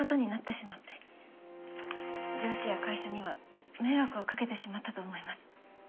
上司や会社には迷惑をかけてしまったと思います。